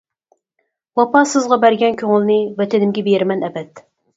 ۋاپاسىزغا بەرگەن كۆڭۈلنى، ۋەتىنىمگە بىرىمەن ئەبەد.